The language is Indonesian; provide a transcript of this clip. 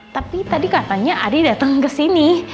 tapi tadi katanya adi dateng kesini